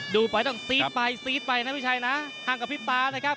ดูไปต้องซี๊ดไปซีดไปนะพี่ชัยนะห่างกับพี่ป๊านะครับ